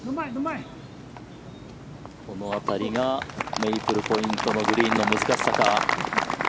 この辺りがメイプルポイントのグリーンの難しさか。